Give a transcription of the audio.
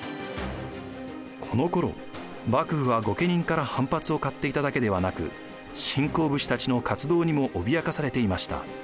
このころ幕府は御家人から反発を買っていただけではなく新興武士たちの活動にも脅かされていました。